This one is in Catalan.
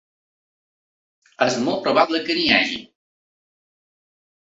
És molt probable que n’hi hagi.